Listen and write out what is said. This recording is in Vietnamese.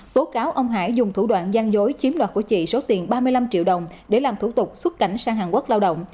tố cáo ông hải dùng thủ đoạn gian dối chiếm đoạt của chị số tiền ba mươi năm triệu đồng để làm thủ tục xuất cảnh sang hàn quốc lao động